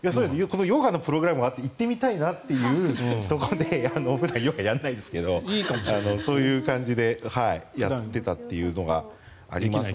ヨガのプログラムがあって行ってみたいなということで普段、やらないんですけどそういう感じでやっていたというのがあります。